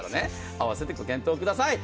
合わせてご検討ください。